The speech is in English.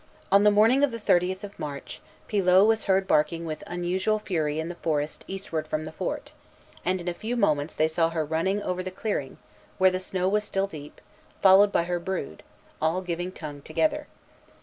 On the morning of the thirtieth of March, Pilot was heard barking with unusual fury in the forest eastward from the fort; and in a few moments they saw her running over the clearing, where the snow was still deep, followed by her brood, all giving tongue together.